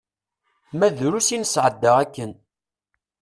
Ma drus i nesɛedda akken.